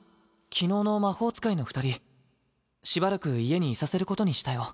昨日の魔法使いの二人しばらく家にいさせることにしたよ。